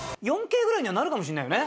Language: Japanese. ４京ぐらいにはなるかもしれないよね